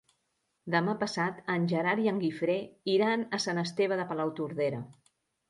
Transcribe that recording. Demà passat en Gerard i en Guifré iran a Sant Esteve de Palautordera.